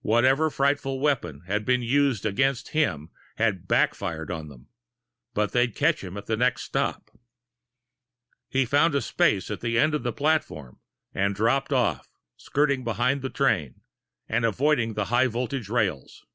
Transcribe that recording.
Whatever frightful weapon had been used against him had back fired on them but they'd catch him at the next stop. He found space at the end of the platform and dropped off, skirting behind the train, and avoiding the the high voltage rails.